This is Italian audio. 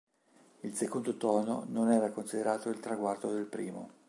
Il secondo tono non era considerato il traguardo del primo.